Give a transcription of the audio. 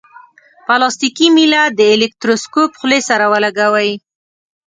پلاستیکي میله د الکتروسکوپ خولې سره ولګوئ.